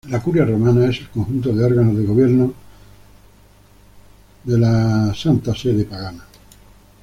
La Curia Romana es el conjunto de órganos de gobierno de la Santa Sede.